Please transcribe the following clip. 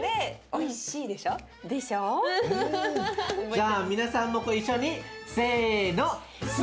じゃあ皆さんもご一緒にせの！